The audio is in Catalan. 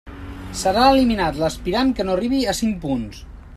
Serà eliminat l'aspirant que no arribi a cinc punts.